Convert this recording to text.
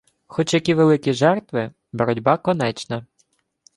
Хоч які великі жертви — боротьба конечна.